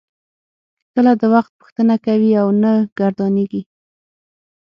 کله د وخت پوښتنه کوي او نه ګردانیږي.